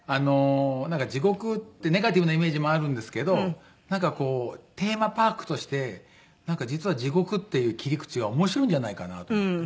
なんか地獄ってネガティブなイメージもあるんですけどなんかこうテーマパークとして実は地獄っていう切り口は面白いんじゃないかなと思って。